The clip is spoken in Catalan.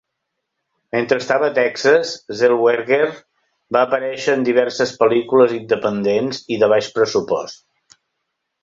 Mentre estava a Texas, Zellweger va aparèixer en diverses pel·lícules independents i de baix pressupost.